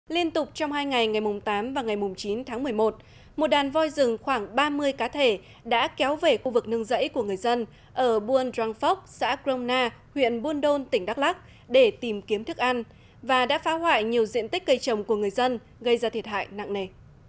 liên tục trong hai ngày ngày tám và ngày chín tháng một mươi một một đàn voi rừng khoảng ba mươi cá thể đã kéo về khu vực nương rẫy của người dân ở buôn răng phốc xã krona huyện buôn đôn tỉnh đắk lắc để tìm kiếm thức ăn và đã phá hoại nhiều diện tích cây trồng của người dân gây ra thiệt hại nặng nề